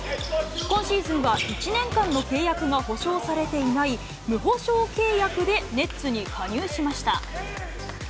今シーズンは、１年間の契約が保証されていない、無保証契約でネッツに加入しました。